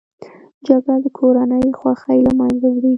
جګړه د کورنۍ خوښۍ له منځه وړي